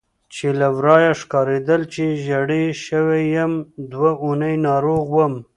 چې له ورایه ښکارېدل چې ژېړی شوی یم، دوه اونۍ ناروغ وم.